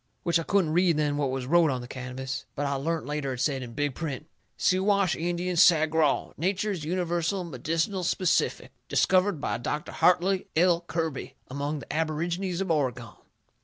Which I couldn't read then what was wrote on the canvas, but I learnt later it said, in big print: SIWASH INDIAN SAGRAW. NATURE'S UNIVERSAL MEDICINAL SPECIFIC. DISCOVERED BY DR. HARTLEY L. KIRBY AMONG THE ABORIGINES OF OREGON.